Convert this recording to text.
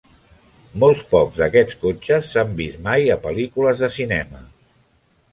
Molt pocs d'aquests cotxes s'han vist mai a pel·lícules de cinema.